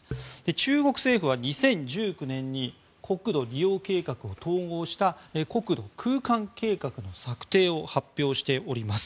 中国政府は２０１９年に国土利用計画を統合した国土空間計画の策定を発表しております。